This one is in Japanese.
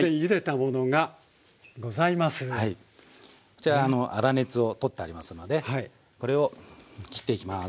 こちら粗熱を取ってありますのでこれを切っていきます。